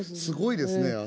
すごいですね。